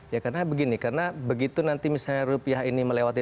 ya karena begini karena begitu nanti misalnya rupiah ini melewati